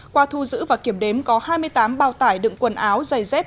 qua thu giữ và kiểm đếm có hai mươi tám bao tải đựng quần áo giày dép